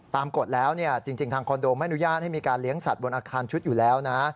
กฎแล้วจริงทางคอนโดไม่อนุญาตให้มีการเลี้ยงสัตว์บนอาคารชุดอยู่แล้วนะ